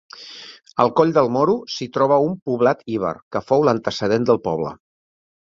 Al Coll del Moro s'hi troba un poblat iber, que fou l'antecedent del poble.